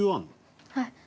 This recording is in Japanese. はい。